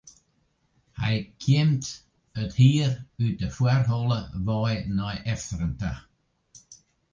Hy kjimt it hier út de foarholle wei nei efteren ta.